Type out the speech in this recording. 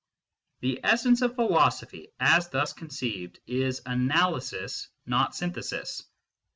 The essence of philosophy as thus conceived is analy sis, not synthesis.